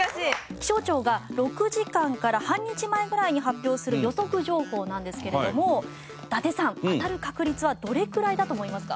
気象庁が６時間から半日前ぐらいに発表する予測情報なんですけれども伊達さん当たる確率はどれくらいだと思いますか？